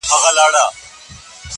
هو پاچا ملا وزیر ملا سهي ده،